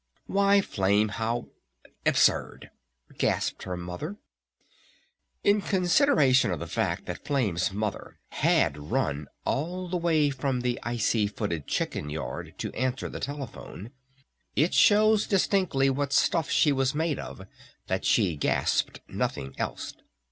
"Why, Flame; how absurd!" gasped her mother. In consideration of the fact that Flame's mother had run all the way from the icy footed chicken yard to answer the telephone it shows distinctly what stuff she was made of that she gasped nothing else.